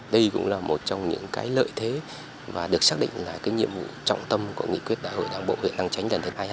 đây cũng là một trong những lợi thế và được xác định là nhiệm vụ trọng tâm của nghị quyết đại hội đảng bộ huyện lăng chánh đần thứ hai mươi hai